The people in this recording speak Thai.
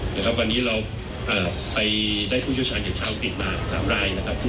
นะครับวันนี้เราไปได้ผู้เชิ้ชผลทินครั้งติดที่มาตามรายนะครับที่